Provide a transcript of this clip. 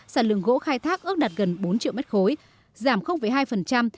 sản lượng gỗ khai thác ước đạt gần bốn triệu mét khối giảm hai